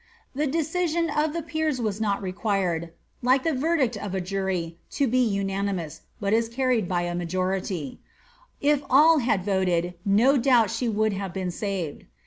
"* The decision of the peers is not required, like the verdict of a jury, to be unanimous, but w carried by a majority, if all had voted, no doubt she would have been saved.